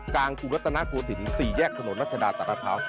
กลางภูกษณะกวศิษย์สี่แยกถนนรัฐธนาจักรพร้าว